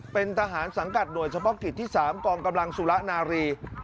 เป็นทหารสังกัดหน่วยเฉพาะกิจที่๓กองกำลังสุระนารี